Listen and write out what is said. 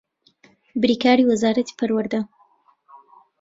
بریکاری وەزارەتی پەروەردە